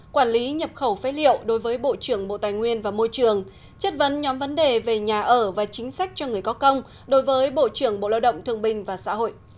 quản lý nhập khẩu phế liệu đối với bộ trưởng bộ tài nguyên và môi trường chất vấn nhóm vấn đề về nhà ở và chính sách cho người có công đối với bộ trưởng bộ lao động thương bình và xã hội